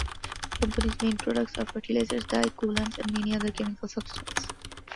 The company's main products are fertilizers, dye, coolants and many other chemical substance.